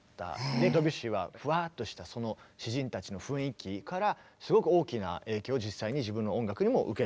でドビュッシーはフワッとしたその詩人たちの雰囲気からすごく大きな影響を実際に自分の音楽にも受けた。